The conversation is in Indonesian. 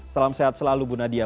salam sehat selalu bu nadia